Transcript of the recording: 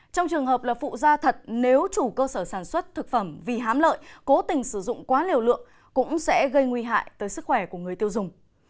trong trường hợp là phụ da thật nếu chủ cơ sở sản xuất thực phẩm vì hám lợi cố tình sử dụng quá liều lượng cũng sẽ gây nguy hại tới sức khỏe của người tiêu dùng